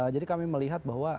jadi kami melihat bahwa